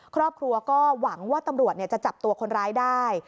ครอบครัวก็หวังว่าตำรวจจะจับตัวคนร้ายได้